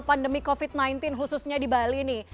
pandemi covid sembilan belas khususnya di bali nih